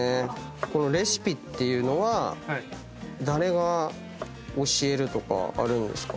このレシピっていうのは誰が教えるとかあるんですか？